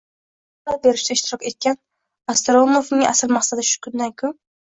ruxsat berishda ishtirok etgan Ostroumofning asl maqsadi kundan kun